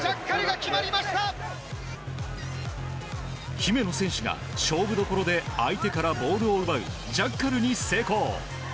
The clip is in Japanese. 姫野選手が勝負どころで相手からボールを奪うジャッカルに成功。